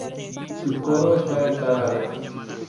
Su coro está en Tagalo.